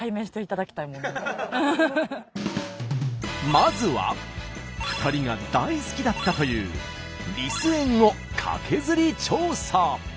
まずは２人が大好きだったというリス園をカケズリ調査。